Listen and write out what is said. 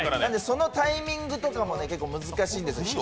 そのタイミングとかも結構難しいんです。